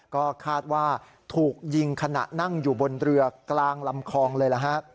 ก็คาดว่าถูกยิงขณะนั่งอยู่บนเรือกลางลำคลองเลยนะฮะ